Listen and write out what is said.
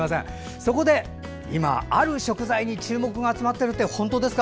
そこで今、ある食材に注目が集まっているって本当ですか？